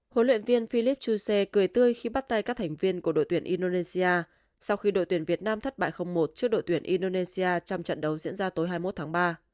huấn luyện viên philipp chuse cười tươi khi bắt tay các thành viên của đội tuyển indonesia sau khi đội tuyển việt nam thất bại một trước đội tuyển indonesia trong trận đấu diễn ra tối hai mươi một tháng ba